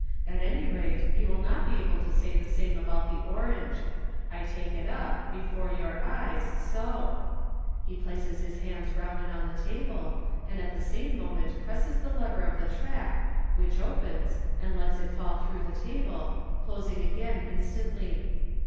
At any rate, you will not be able to say the same about the orange. I take it up, before your eyes, so !" He places his hands round it on the table, and at the same moment presses the lever of the trap, which opens, and lets it fall through into the table, closing again instantly.